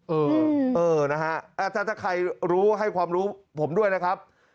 เออนะฮะถ้าใครรู้ให้ความรู้ผมด้วยนะครับ